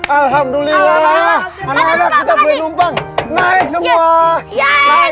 alhamdulillah naik semua ya